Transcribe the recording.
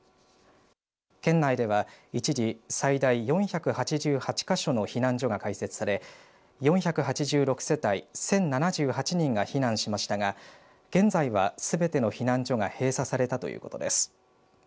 県内では一時最大４８８か所の避難所が開設され４８６世帯１０７８人が避難しましたが現在はすべての避難所が閉鎖されたということです。